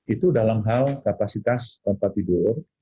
itu dalam hal kapasitas tempat tidur